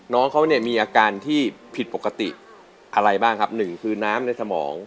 น้องเขาเนี่ยมีอาการที่ผิดปกติอะไรบ้างครับหนึ่งคือน้ำในสมอง